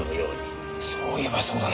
そういえばそうだな。